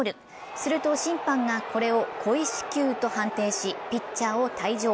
すると審判がこれを故意死球と判定しピッチャーを退場。